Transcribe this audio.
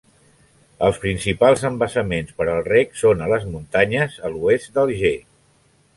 Els principals embassaments per al reg són a les muntanyes a l'oest d'Alger.